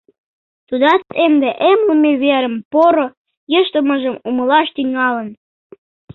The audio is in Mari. Тудат ынде эмлыме верын поро ыштымыжым умылаш тӱҥалын.